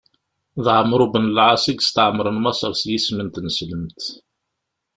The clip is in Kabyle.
D Ɛemru ben Lɛaṣ i yestɛemren Maṣer s yisem n tneslemt.